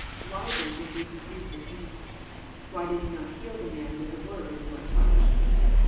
Why, then, did Jesus use this means? Why did He not heal the man with a word or a touch?